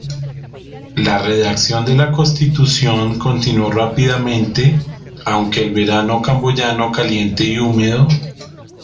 La redacción de la constitución continuó rápidamente, aunque el verano camboyano caliente y húmedo.